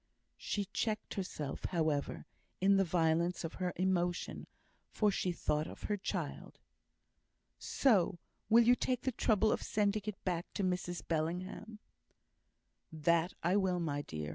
She checked herself, however, in the violence of her emotion, for she thought of her child. "So, will you take the trouble of sending it back to Mrs Bellingham?" "That I will, my dear.